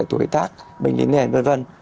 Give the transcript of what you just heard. bệnh tác bệnh lý nền v v